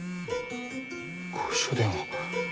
公衆電話。